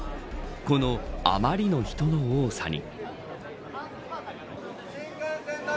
この、あまりの人の多さに。